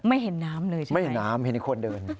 เห็นน้ำเลยใช่ไหมไม่เห็นน้ำเห็นคนเดิน